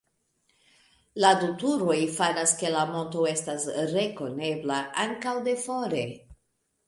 La du turoj faras, ke la monto estas rekonebla ankaŭ de fore.